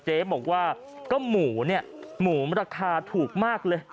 เจ๊บอกว่าก็หมูเนี่ยหมูราคาถูกมากเลย